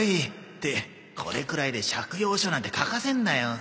ってこれくらいで借用書なんて書かせんなよ。